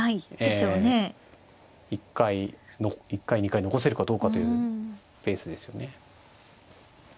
１回２回残せるかどうかというペースですよね。